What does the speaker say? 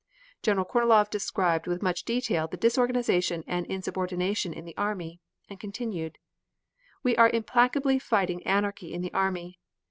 General Kornilov described with much detail the disorganization and insubordination in the army, and continued: "We are implacably fighting anarchy in the army.